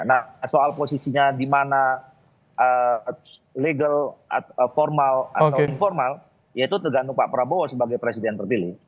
nah soal posisinya di mana legal formal atau informal yaitu tergantung pak prabowo sebagai presiden terpilih